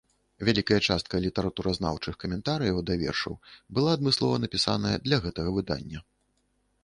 Вялікая частка літаратуразнаўчых каментарыяў да вершаў была адмыслова напісаная для гэтага выдання.